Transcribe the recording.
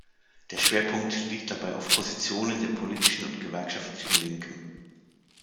Der Schwerpunkt liegt dabei auf Positionen der politischen und gewerkschaftlichen Linken.